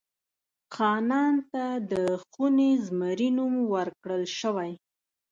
خانان ته د خوني زمري نوم ورکړل شوی.